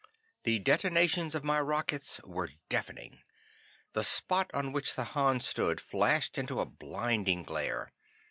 The detonations of my rockets were deafening. The spot on which the Hans stood flashed into a blinding glare.